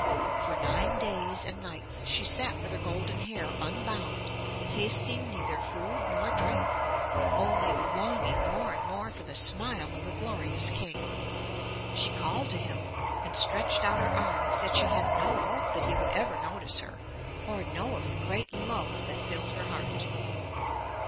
For nine days and nights she sat with her golden hair unbound, tasting neither food nor drink, only longing more and more for the 126 UP ONE PAIR OF STAIRS smile of the glorious King. She called to him and stretched out her arms, yet she had no hope that he would ever notice her or know of the great love that filled her heart.